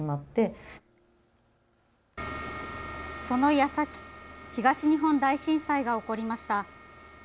その矢先東日本大震災が起こりました。